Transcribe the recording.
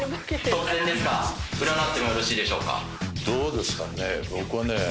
どうですかね？